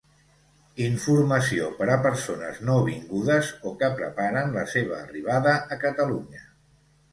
Informació per a persones nouvingudes o que preparen la seva arribada a Catalunya.